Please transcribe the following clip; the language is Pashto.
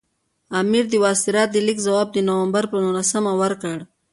امیر د وایسرا د لیک ځواب د نومبر پر نولسمه ورکړ.